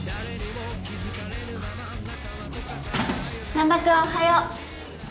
難破君おはよう。